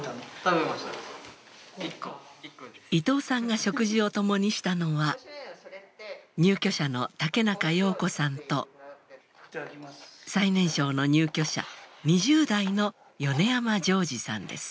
伊藤さんが食事を共にしたのは入居者の竹中庸子さんと最年少の入居者２０代の米山丈児さんです。